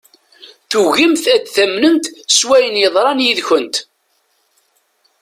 Tugimt ad tamnemt s wayen yeḍran yid-kent.